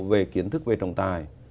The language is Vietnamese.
về kiến thức về trồng tài